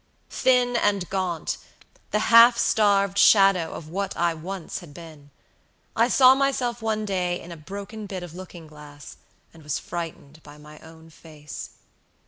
Thin and gaunt, the half starved shadow of what I once had been, I saw myself one day in a broken bit of looking glass, and was frightened by my own face.